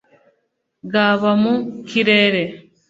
byaba mu kirere